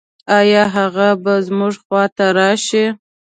آيا هغه به زموږ خواته راشي؟